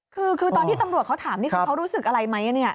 คือตอนที่ตำรวจเขาถามนี่คือเขารู้สึกอะไรไหมเนี่ย